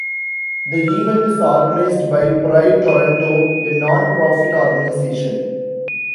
The event is organized by Pride Toronto, a non-profit organization.